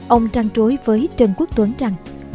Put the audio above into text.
ông trăn trối với trần quốc tuấn rằng